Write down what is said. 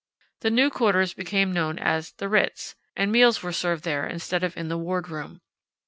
The new quarters became known as "The Ritz," and meals were served there instead of in the ward room.